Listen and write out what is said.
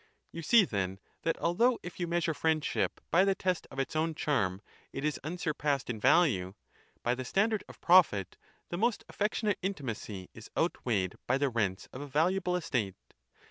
You see then that although if yoi friendship by the test of its own charm il passed in value, by the standard of profit the most affectionate intimacy is outweighed by the rents of a valuable estate.